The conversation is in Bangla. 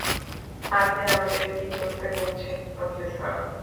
আপনি আমাদের কী করতে বলছেন, প্রফেসর?